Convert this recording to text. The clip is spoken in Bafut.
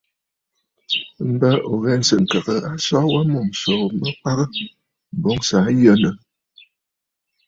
M̀bə ò ghɛ̂sə̀ ŋkəgə aso wa mûm ǹsòò mə kwaʼa boŋ sɨ̀ aa yənə!